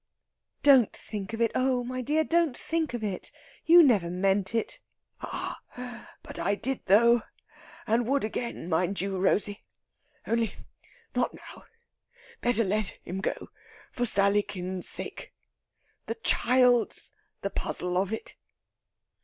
"Don't think of it. Oh, my dear, don't think of it! You never meant it...." "Ah, but I did, though; and would again, mind you, Rosey! Only not now! Better let him go, for Sallykin's sake.... The child's the puzzle of it...."